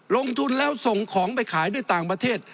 ลงทุนแล้วส่งของไปขายด้วยต่างประเทศ